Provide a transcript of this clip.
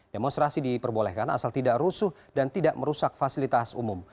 demonstrasi diperbolehkan asal tidak rusuh dan tidak merusak fasilitas umum